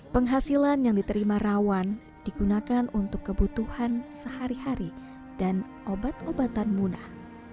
penghasilan yang diterima rawan digunakan untuk kebutuhan sehari hari dan obat obatan munah